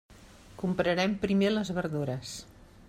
Comprarem primer les verdures.